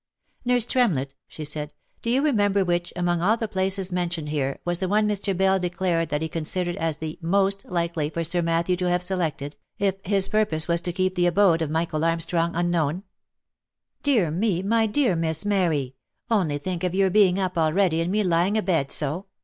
" Nurse Tremlett," she said, e< do you remember which, among all the places mentioned here, was the one Mr. Bell declared that he considered as the most likely for Sir Matthew to have selected, if his purpose was to keep the abode of Michael Arm strong unknown?" OF MICHAEL ARMSTRONG. 243 " Dear me ! My dear Miss Mary ! Only think of your being up already and me lying abed so